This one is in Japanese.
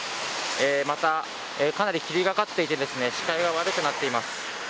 また、かなり霧がかっていて視界が悪くなっています。